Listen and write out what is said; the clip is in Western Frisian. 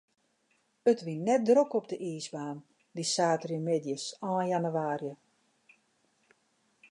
It wie net drok op de iisbaan, dy saterdeitemiddeis ein jannewaarje.